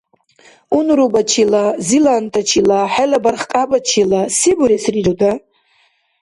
Унрубачила, зилантачила хӀела бархкьябачила се бурес рируда?